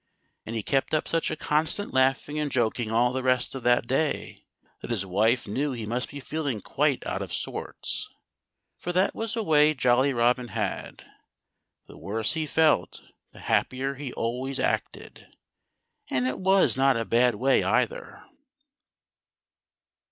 And he kept up such a constant laughing and joking all the rest of that day that his wife knew he must be feeling quite out of sorts. For that was a way Jolly Robin had. The worse he felt, the happier he always acted. And it was not a bad way, either.